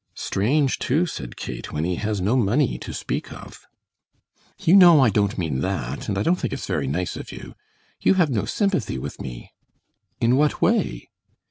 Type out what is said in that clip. "Strange, too," said Kate, "when he has no money to speak of!" "You know I don't mean that, and I don't think it's very nice of you. You have no sympathy with me!" "In what way?"